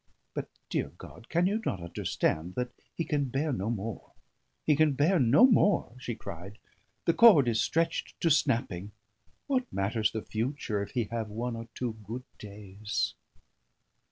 But, dear God, can you not understand that he can bear no more? He can bear no more!" she cried. "The cord is stretched to snapping. What matters the future if he have one or two good days?"